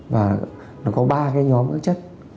và nó có ba cái nhóm các chất